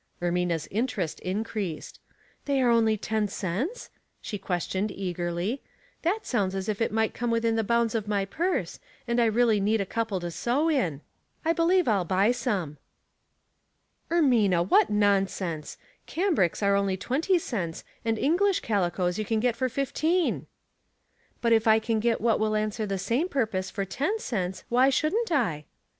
Ermina's interest increased. " Are they only ten cents ?" she questioned, eagerly. " That sounds as if it might come within the bounds of my purse, and I really need a couple to sew in. I believe I'll buy Bome." " Ermina, what nonsense ! Cambrics are only twenty cents, and English calicoes you can get for fifteen." Real or Imitation? 245 "But if I can get what will answer the same purpose for ten cents, why shouldn't I ?